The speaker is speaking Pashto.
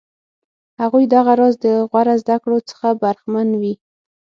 هغوی دغه راز د غوره زده کړو څخه برخمن وي.